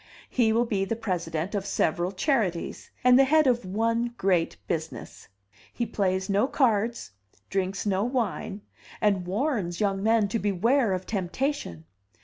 He will be the president of several charities, and the head of one great business. He plays no cards, drinks no wine, and warns young men to beware of temptation.